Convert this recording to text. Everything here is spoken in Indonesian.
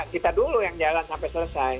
kita dulu yang jalan sampai selesai